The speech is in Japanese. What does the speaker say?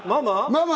ママ。